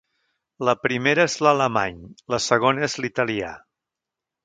La primera és l’alemany, la segona és l’italià.